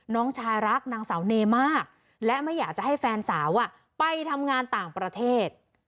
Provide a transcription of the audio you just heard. น้องชายรักนางสาวเนมากและไม่อยากจะให้แฟนสาวไปทำงานต่างประเทศ